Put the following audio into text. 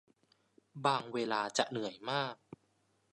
บางเวลาจะเหนื่อยมาก